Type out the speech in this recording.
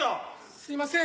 すみません